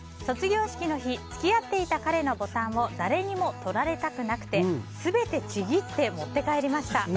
卒業式の日付き合っていた彼のボタンを誰にも取られたくなくて全てちぎって持って帰りました。